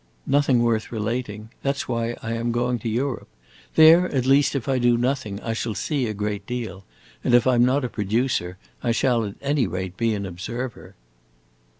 "Nothing worth relating. That 's why I am going to Europe. There, at least, if I do nothing, I shall see a great deal; and if I 'm not a producer, I shall at any rate be an observer."